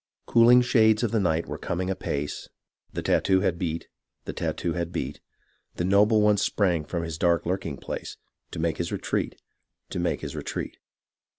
Cooling shades of the night were coming apace. The tattoo had beat ; the tattoo had beat. The noble one sprang from his dark lurking place To make his retreat ; to make his retreat.